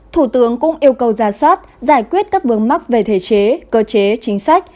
thủ tướng cũng yêu cầu ra soát giải quyết các vướng mắc về thể chế cơ chế chính sách